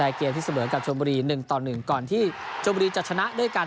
เกมที่เสมอกับชนบุรี๑ต่อ๑ก่อนที่ชมบุรีจะชนะด้วยกัน